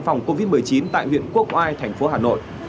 phòng covid một mươi chín tại viện quốc oai tp hà nội